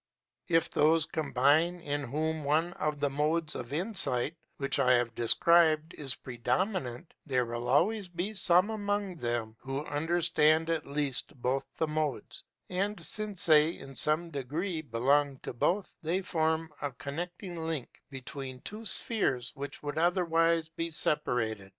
If those combine in whom one of the modes of insight, which I have described, is predominant, there will always be some among them who understand at least both of the modes, and since they, in some degree, belong to both, they form a connecting link between two spheres which would otherwise be separated.